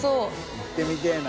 行ってみたいな。